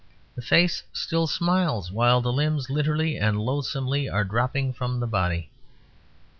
The face still smiles while the limbs, literally and loathsomely, are dropping from the body.